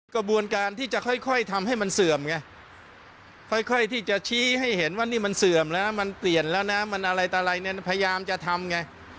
กระบวนการที่จะค่อยทำให้มันเสื่อมไงค่อยที่จะชี้ให้เห็นว่านี่มันเสื่อมแล้วมันเปลี่ยนแล้วนะมันอะไรเนี่ยพยายามจะทำไง